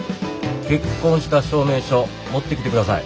結婚した証明書持ってきてください。